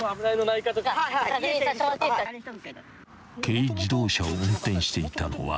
［軽自動車を運転していたのは］